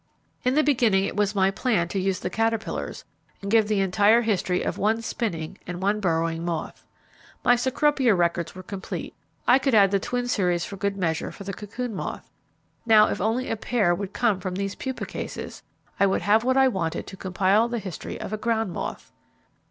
In the beginning it was my plan to use the caterpillars, and give the entire history of one spinning, and one burrowing moth. My Cecropia records were complete; I could add the twin series for good measure for the cocoon moth; now if only a pair would come from these pupa cases, I would have what I wanted to compile the history of a ground moth.